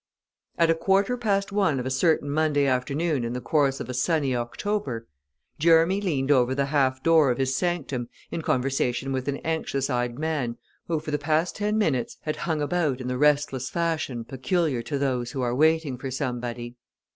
At a quarter past one of a certain Monday afternoon in the course of a sunny October, Jerramy leaned over the half door of his sanctum in conversation with an anxious eyed man who for the past ten minutes had hung about in the restless fashion peculiar to those who are waiting for somebody.